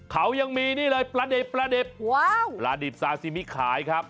เขายังมีนี่เลยปลาดิบปลาดิบปลาดิบซาซิมิขายครับ